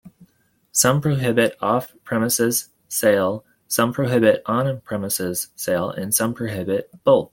Some prohibit off-premises sale, some prohibit on-premises sale, and some prohibit both.